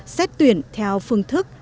xét tuyển theo phương thức